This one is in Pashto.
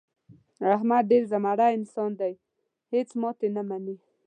احمد ډېر زمری انسان دی. هېڅ ماتې نه مني.